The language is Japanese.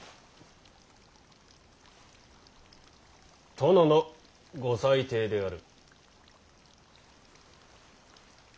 殿のご裁定である。